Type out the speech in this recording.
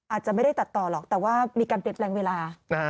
อาจจะไม่ได้ตัดต่อหรอกแต่ว่ามีการเปลี่ยนแปลงเวลา